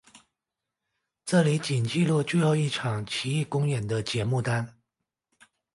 这里仅记录最后一场琦玉公演的节目单。